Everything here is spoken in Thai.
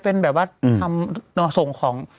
เป็นแบบว่าทำส่งของ